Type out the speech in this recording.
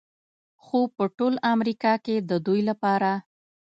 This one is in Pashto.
خو په ټول امریکا کې د دوی لپاره